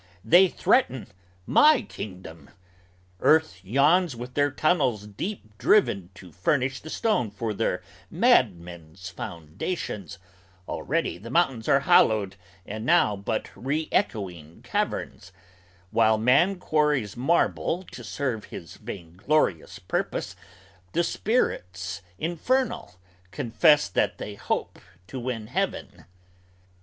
They threaten my kingdom! Earth yawns with their tunnels deep driven To furnish the stone for their madmen's foundations; already The mountains are hollowed and now but re echoing caverns; While man quarries marble to serve his vainglorious purpose The spirits infernal confess that they hope to win Heaven!